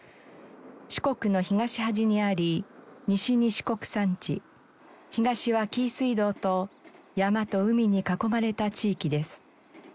四国の東端にあり西に四国山地東は紀伊水道と山と海に囲まれた地域です。